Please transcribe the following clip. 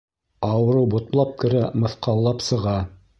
Ауырыу ботлап керә, мыҫҡаллап сыға.